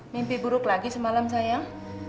mimpi buruk lagi semalam sayang